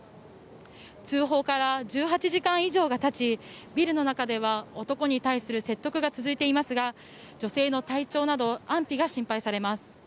通報から１８時間以上がたちビルの中では男に対する説得が続いていますが女性の体調など安否が心配されます。